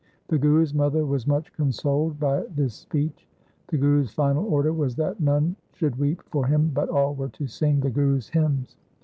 The Guru's mother was much consoled by this speech. The Guru's final order was that none should weep for him, but all were to sing the Gurus' hymns.